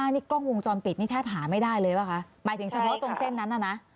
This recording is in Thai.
นี่กล้องวงจรปิดนี่แทบหาไม่ได้เลยป่ะคะหมายถึงเฉพาะตรงเส้นนั้นน่ะนะ